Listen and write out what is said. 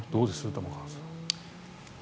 玉川さん。